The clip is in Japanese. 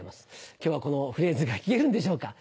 今日はこのフレーズが聞けるんでしょうか？